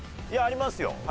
いやありますよ。